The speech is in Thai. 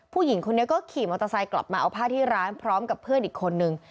ผู้หญิงคนนี้ก็ขี่มอเตอร์ไซค์กลับมาเอาผ้าที่ร้านพร้อมกับเพื่อนอีกคนนึง